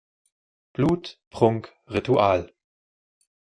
Blut, Prunk, Ritual.